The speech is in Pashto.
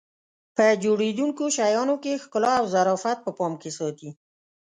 په جوړېدونکو شیانو کې ښکلا او ظرافت په پام کې ساتي.